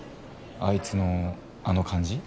あいつのあの感じ